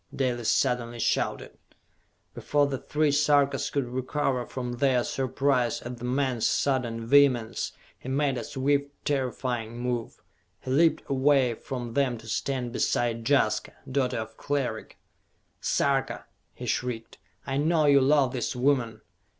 Dalis suddenly shouted. Before the three Sarkas could recover from their surprise at the man's sudden vehemence, he made a swift, terrifying move. He leaped away from them to stand beside Jaska, daughter of Cleric. "Sarka," he shrieked, "I know you love this woman!